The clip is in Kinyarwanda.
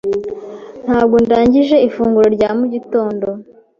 Ntabwo ndangije ifunguro rya mu gitondo.